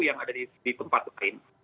yang ada di tempat lain